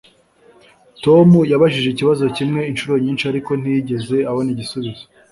Tom yabajije ikibazo kimwe inshuro nyinshi ariko ntiyigeze abona igisubizo